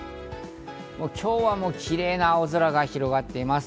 今日はキレイな青空が広がっています。